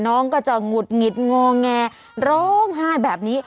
น้องก็จะหงุดหงิดงอแงร้องไห้แบบนี้